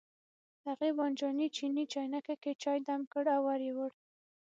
هغې بانجاني چیني چاینکه کې چای دم کړ او ور یې وړ.